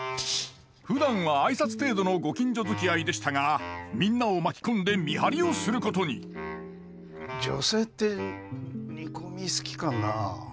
ふだんは挨拶程度のご近所づきあいでしたがみんなを巻き込んで見張りをすることに女性って煮込み好きかなあ。